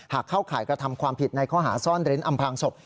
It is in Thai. เข้าข่ายกระทำความผิดในข้อหาซ่อนเร้นอำพลางศพ